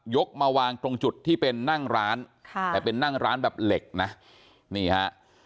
มาวางตรงจุดที่เป็นนั่งร้านค่ะแต่เป็นนั่งร้านแบบเหล็กนะนี่ฮะ